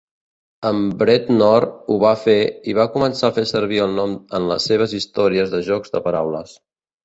En Bretnor ho va fer, i va començar a fer servir el nom en les seves històries de jocs de paraules.